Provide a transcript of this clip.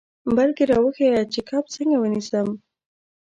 بلکې را وښیه چې کب څنګه ونیسم.